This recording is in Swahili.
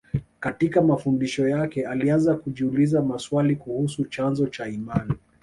Katika mafundisho yake alianza kujiuliza maswali kuhusu chanzo cha imani